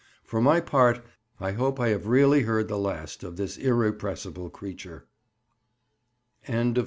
For my part I hope I have really heard the last of this irrepressible creature. CHAPTER VI.